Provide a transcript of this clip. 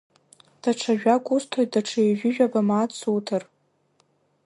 Даҽа жәак усҭоит, даҽа ҩажәижәаба мааҭ суҭар.